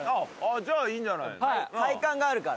じゃあいいんじゃない？